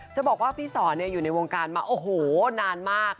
จะบอกว่าพี่สอนอยู่ในวงการมาโอ้โหนานมาก